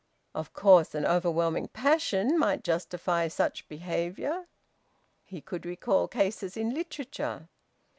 Of course, an overwhelming passion might justify such behaviour! He could recall cases in literature...